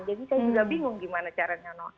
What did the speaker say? jadi saya juga bingung gimana caranya